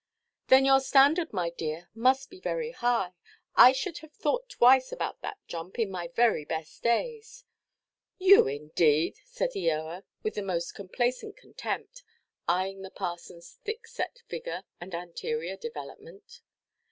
"Then your standard, my dear, must be very high. I should have thought twice about that jump, in my very best days!" "You indeed!" said Eoa, with the most complacent contempt; eyeing the parsonʼs thick–set figure and anterior development.